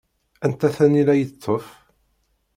Anta tanila yeṭṭef?